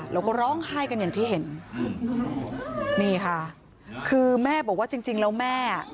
แล้วก็ร้องไห้กันอย่างที่เห็นนี่ค่ะคือแม่บอกว่าจริงจริงแล้วแม่